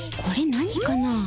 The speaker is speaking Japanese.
これ何かな？